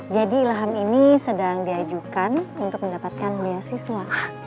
jadi ilham ini sedang diajukan untuk mendapatkan beasiswa